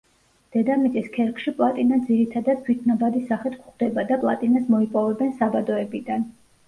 დედამიწის ქერქში პლატინა ძირითადად თვითნაბადი სახით გვხვდება და პლატინას მოიპოვებენ საბადოებიდან.